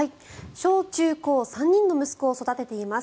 小中高３人の息子を育てています。